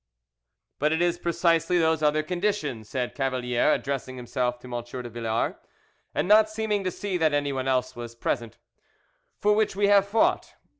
"But it is precisely those other conditions," said Cavalier, addressing himself to M. de Villars, and not seeming to see that anyone else was present, "for which we have fought.